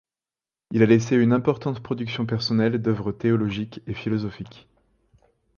Il a laissé une importante production personnelle d’œuvres théologiques et philosophiques.